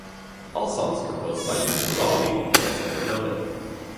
All songs composed by Vince Guaraldi except where noted.